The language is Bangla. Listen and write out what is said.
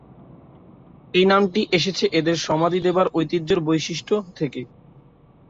এই নামটি এসেছে এদের সমাধি দেবার ঐতিহ্যের বৈশিষ্ট্য থেকে।